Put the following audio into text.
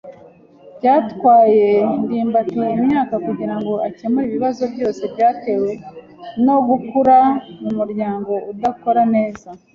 Byatwaye ndimbati imyaka kugirango akemure ibibazo byose byatewe no gukura mumuryango udakora neza.